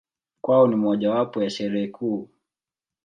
Kwao ni mojawapo ya Sherehe kuu.